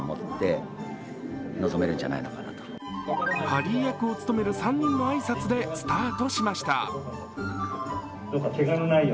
ハリー役を務める３人の挨拶でスタートしました。